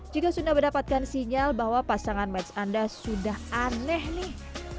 jika sudah mendapatkan sinyal bahwa pasangan match anda sudah aneh nih